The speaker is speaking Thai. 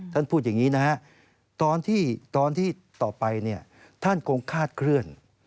ท่านพูดอย่างนี้นะฮะตอนที่ต่อไปเนี่ยท่านคงคาดเคลื่อน